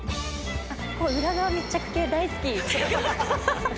裏側密着系大好き。